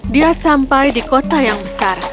dia sampai di kota yang besar